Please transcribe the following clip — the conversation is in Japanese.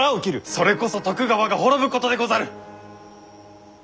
それこそ徳川が滅ぶことでござる！